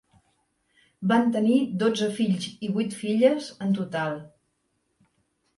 Van tenir dotze fills i vuit filles en total.